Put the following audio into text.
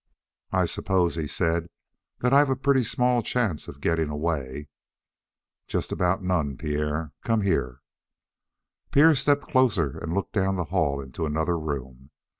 "I suppose," he said, "that I've a pretty small chance of getting away." "Just about none, Pierre. Come here." Pierre stepped closer and looked down the hall into another room.